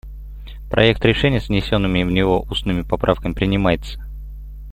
Проект решения с внесенными в него устными поправками принимается.